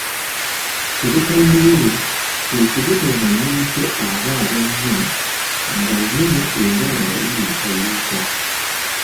Kibutongululu kye kibuto nga nnyini kyo aba alya nnyo, nga lunene era nga luyiikayiika.